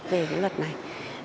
về luật này